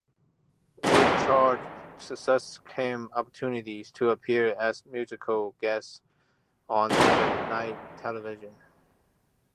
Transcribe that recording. With chart success came opportunities to appear as musical guests on late night television.